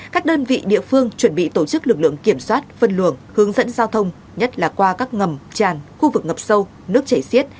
các đơn vị địa phương chuẩn bị tổ chức lực lượng kiểm soát phân luồng hướng dẫn giao thông nhất là qua các ngầm tràn khu vực ngập sâu nước chảy xiết